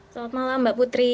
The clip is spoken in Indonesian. selamat malam mbak putri